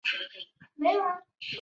西汉泰山郡刚县人。